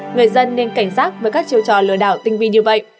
người dân nên cảnh giác với các chiêu trò lừa đảo tinh vi như vậy